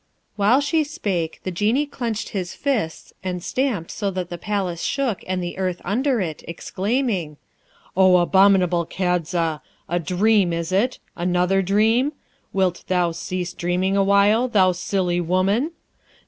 While she spake, the Genie clenched his fists and stamped so that the palace shook and the earth under it, exclaiming, 'O abominable Kadza! a dream is it? another dream? Wilt thou cease dreaming awhile, thou silly woman?